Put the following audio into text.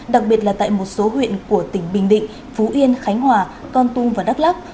đặc biệt là tại một số huyện của tỉnh bình định phú yên khánh hòa con tum và đắk lắc